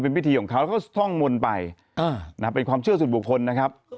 พิธีของเขาแล้วก็ท่องมนต์ไปเป็นความเชื่อส่วนบุคคลนะครับ